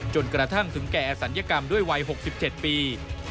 จนกระทั่งถึงแก่อศัลยกรรมด้วยวัย๖๗ปี